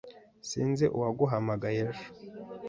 Sinzi uwaguhamagaye ejo